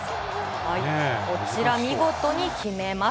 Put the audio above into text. こちら、見事に決めます。